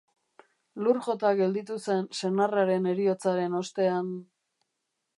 Lur jota gelditu zen senarraren heriotzaren ostean...